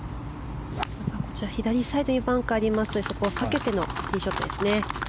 左サイドにバンカーありますからそこを避けてのティーショットです。